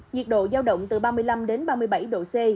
nhiệt độ giao động từ ba mươi năm đến ba mươi bảy độ c